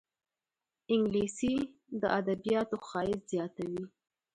انګلیسي د ادبياتو ښایست زیاتوي